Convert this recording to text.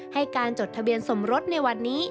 ให้การจดทะเบียนสมรสในวันนี้